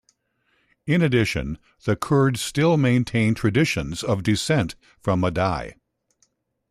In addition, the Kurds still maintain traditions of descent from Madai.